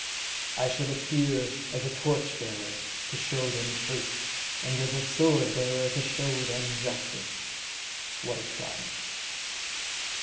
"I shall appear as a torch bearer, to show them truth; and as a sword bearer, to show them justice!" What a triumph!